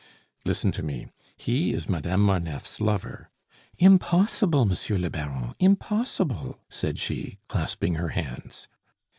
"Listen to me. He is Madame Marneffe's lover " "Impossible, Monsieur le Baron; impossible," said she, clasping her hands.